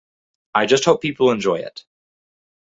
I just hope people enjoy it.